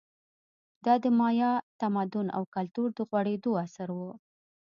دا د مایا تمدن او کلتور د غوړېدو عصر و